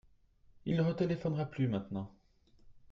Il ne retéléphonera plus maintenant.